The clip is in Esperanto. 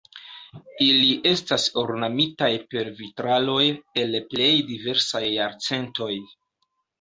Ili estas ornamitaj per vitraloj el plej diversaj jarcentoj.